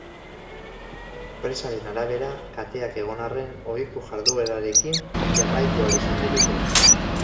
Enpresaren arabera, kateak egon arren, ohiko jarduerarekin jarraitu ahal izango dute.